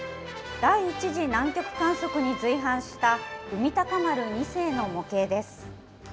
第１次南極観測に随伴した海鷹丸２世の模型です。